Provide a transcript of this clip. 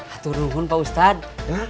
atur ruhun pak ustadz